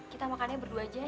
kita makannya berdua aja